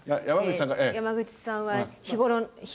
山口さんは日頃の？